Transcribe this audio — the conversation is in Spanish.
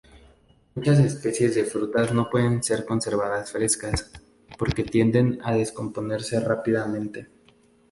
Muchas especies de frutas no pueden ser conservadas frescas, porque tienden a descomponerse rápidamente.